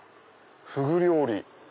「ふぐ料理」。